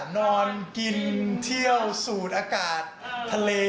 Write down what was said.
นอนกินเที่ยวสูดอากาศทะเล